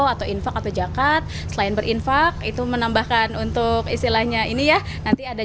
atau infak atau zakat selain berinfak itu menambahkan untuk istilahnya ini ya nanti ada